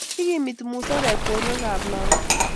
Ikimiti musarek borwekap lagok